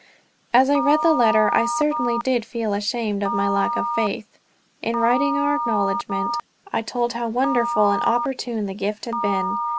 As I read the letter, I certainly did feel ashamed of my lack of faith. In writing our acknowledgment, I told how wonderfully opportune the gift had been.